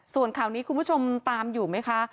ส่วนข่าวนี้คุณผู้ชมตามอยู่ไหมคะ